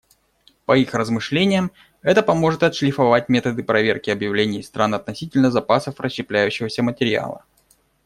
По их размышлениям, это поможет отшлифовать методы проверки объявлений стран относительно запасов расщепляющегося материала.